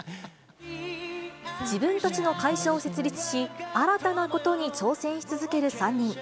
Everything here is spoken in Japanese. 自分たちの会社を設立し、新たなことに挑戦し続ける３人。